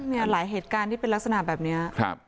เนี่ยหลายเหตุการณ์ที่เป็นลักษณะแบบนี้